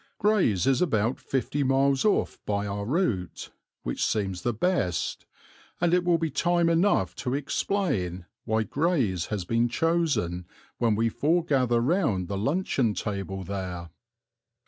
Grays is about fifty miles off by our route, which seems the best, and it will be time enough to explain why Grays has been chosen when we foregather round the luncheon table there.